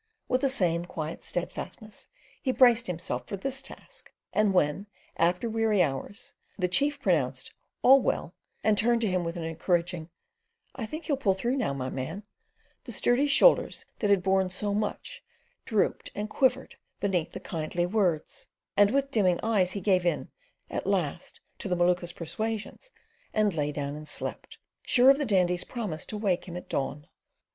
With the same quiet steadfastness he braced himself for this task and when, after weary hours, the chief pronounced "all well" and turned to him with an encouraging "I think he'll pull through now, my man," the sturdy shoulders that had borne so much drooped and quivered beneath the kindly words, and with dimming eyes he gave in at last to the Maluka's persuasions, and lay down and slept, sure of the Dandy's promise to wake him at dawn.